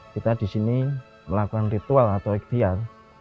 kita di sini melakukan ritual atau ikhtiar